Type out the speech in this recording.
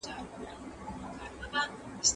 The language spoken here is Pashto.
له غرونو را غبرګیږي